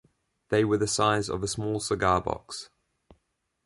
They were the size of a small cigar box.